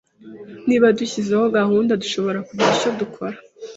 Niba dushyizeho gahunda dushobora kugira icyo dukora.